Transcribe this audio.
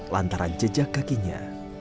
lantaran jejak kakinya